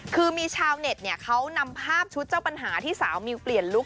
คือมีชาวเน็ตเนี่ยเขานำภาพชุดเจ้าปัญหาที่สาวมิวเปลี่ยนลุค